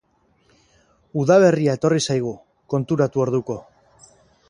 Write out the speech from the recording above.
Udaberria etorri zaigu, konturatu orduko.